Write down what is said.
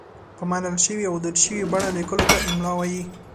په منل شوې او دود شوې بڼه لیکلو ته املاء وايي.